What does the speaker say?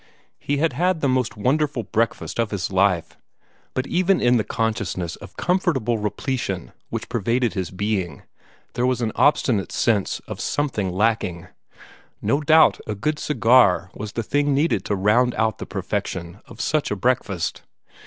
He had had the most wonderful breakfast of his life, but even in the consciousness of comfortable repletion which pervaded his being, there was an obstinate sense of something lacking. No doubt a good cigar was the thing needed to round out the perfection of such a breakfast.